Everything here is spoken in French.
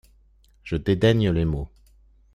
Je dédaigne les mots.